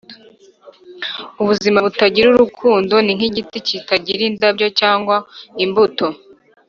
ubuzima butagira urukundo ni nkigiti kitagira indabyo cyangwa imbuto.